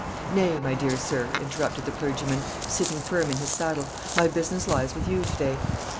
"Nay, my dear sir," interrupted the clergyman, sitting firm in his saddle, "my business lies with you today."